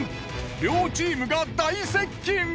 両チームが大接近。